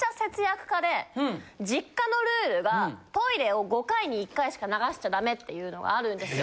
実家のルールがトイレを５回に１回しか流しちゃダメっていうのがあるんですよ